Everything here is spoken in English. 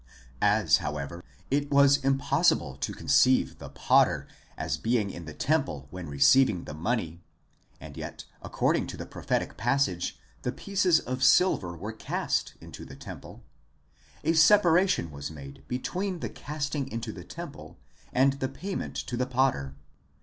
As, however, it was impossible to conceive the potter as being in the temple when receiving the money, and yet according to the prophetic passage the pieces of silver were cast into the temple: a separation was made between the casting into the temple and the payment to the potter.